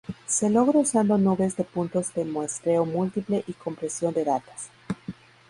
Se logra usando nubes de puntos de muestreo múltiple y compresión de datos.